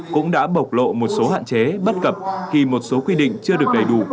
cũng đã bộc lộ một số hạn chế bất cập khi một số quy định chưa được đầy đủ